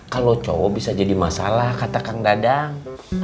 kalau cowok bisa jadi masalah kata kang dadang